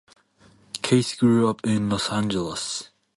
Kates grew up in Los Angeles.